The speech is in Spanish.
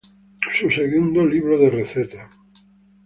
Su segundo libro de recetas.